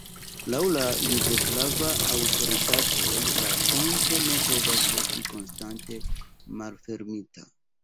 Laŭ la jugoslavaj aŭtoritatoj la ponto ne povas esti konstante malfermita.